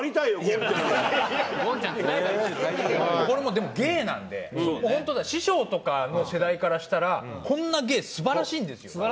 これもでも芸なんで本当師匠とかの世代からしたらこんな芸素晴らしいんですよ。